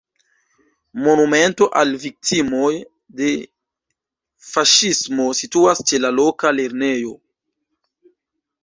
Monumento al viktimoj de faŝismo situas ĉe la loka lernejo.